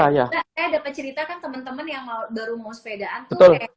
saya dapat cerita kan teman teman yang baru mau sepedaan